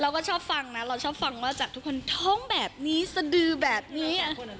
เราก็ชอบฟังนะเราชอบฟังว่าจากทุกคนท้องแบบนี้สดือแบบนี้